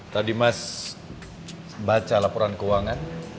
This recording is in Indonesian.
tadi mas baca laporan keuangan